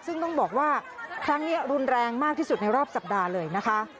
ซึ่งต้องบอกว่าครั้งนี้รุนแรงมากที่สุดในรอบสัปดาห์เลยนะคะ